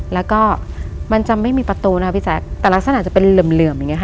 แล้วก็มันจะไม่มีประตูนะคะพี่แจ๊คแต่ลักษณะจะเป็นเหลื่อมอย่างเงี้ค่ะ